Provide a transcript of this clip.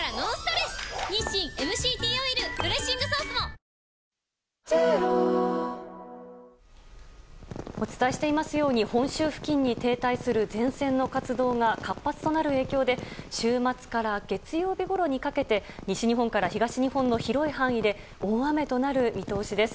私とママはスゴく似てたり全然違ったりお伝えしていますように本州付近に停滞する前線の活動が活発となる影響で週末から月曜日ごろにかけて西日本から東日本の広い範囲で大雨となる見通しです。